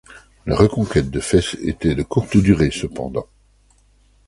La reconquête de Fès était de courte durée cependant.